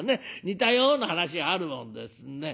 似たような話があるもんですね。